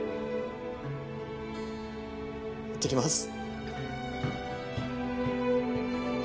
いってきます。